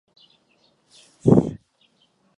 Po svěcení zůstal působit v Oseku jako kaplan a katecheta.